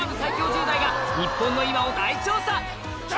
１０代が日本の今を大調査！